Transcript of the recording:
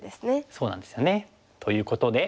そうなんですよね。ということで。